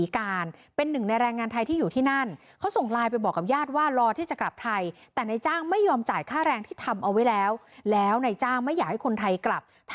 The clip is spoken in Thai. ครับตอนนี้รอนายจ้างมาจ่ายค่าแรงครับสามวันแล้วครับ